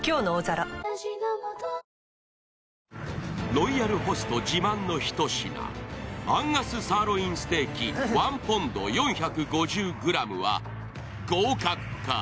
ロイヤルホスト自慢の一品、アンガスサーロインステーキ１ポンド４５０ｇは合格か？